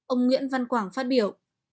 ông nguyễn văn quảng phát biểu